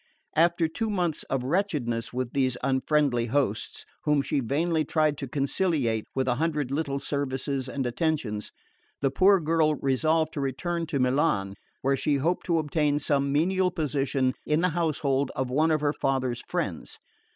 After two months of wretchedness with these unfriendly hosts, whom she vainly tried to conciliate by a hundred little services and attentions the poor girl resolved to return to Milan, where she hoped to obtain some menial position in the household of one of her father's friends.